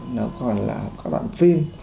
nó còn là các đoạn phim